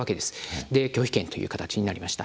それで拒否権という形になりました。